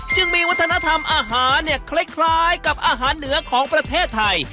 จึงมีวัฒนธรรมอาหารเนี่ยคล้ายกับอาหารเหนือของประเทศไทย